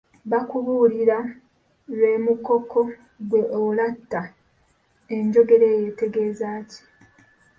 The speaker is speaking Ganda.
Bakubuulira lw’e Mukoko ggwe olatta. Enjogera eyo etegeeza ki?